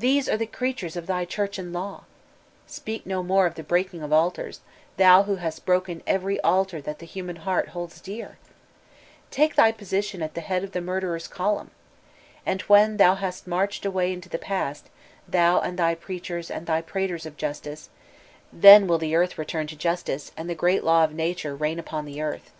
These are the crea tures of thy Church and Law I Speak no more of the breaking of altars, thou who hast broken every altar that the human heart holds dear I Take thy position at the head of the murderers' column I And when thou hast marched away into the past, thou and thy preachers and thy praters of justice, then will the world return to justice and the great law of Nature reign upon the earth.